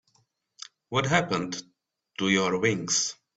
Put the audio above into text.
What happened to your wings?